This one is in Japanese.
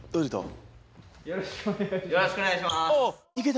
よろしくお願いします。